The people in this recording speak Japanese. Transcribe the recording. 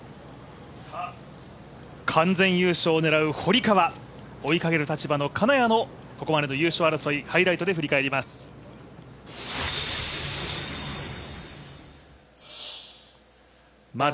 完全優勝を狙う堀川、追いかける立場の金谷のここまでの優勝争い、ハイライトで振り返ります。